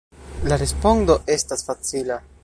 La respondo estas facila.